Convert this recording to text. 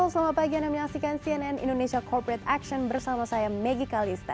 halo selamat pagi anda menyaksikan cnn indonesia corporate action bersama saya maggie kalista